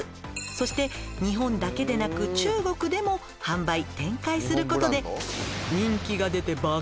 「そして日本だけでなく中国でも販売展開することで」